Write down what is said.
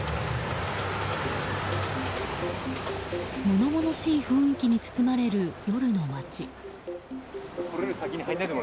物々しい雰囲気に包まれる夜の街。